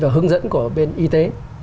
và hướng dẫn của bên y tế